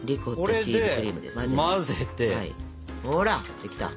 ほらできた。